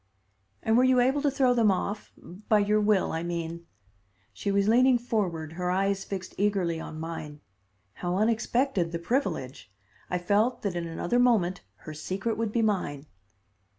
"And were you able to throw them off? by your will, I mean." She was leaning forward, her eyes fixed eagerly on mine. How unexpected the privilege! I felt that in another moment her secret would be mine.